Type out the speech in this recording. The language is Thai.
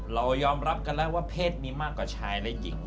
เรายอมรับกันแล้วว่าเพศมีมากกว่าชายและหญิง